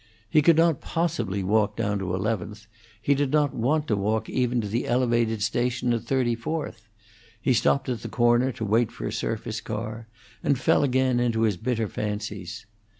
He could not possibly walk down to Eleventh; he did not want to walk even to the Elevated station at Thirty fourth; he stopped at the corner to wait for a surface car, and fell again into his bitter fancies.